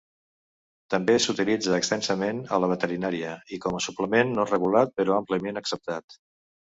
També s'utilitza extensament a la veterinària, i com a suplement no regulat però àmpliament acceptat.